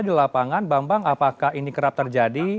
di lapangan bang bang apakah ini kerap terjadi